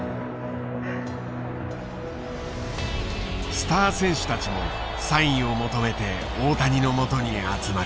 スター選手たちもサインを求めて大谷のもとに集まる。